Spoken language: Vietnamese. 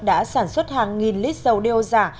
đã sản xuất hàng nghìn lít dầu đeo giả